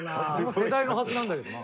世代のはずなんだけどな。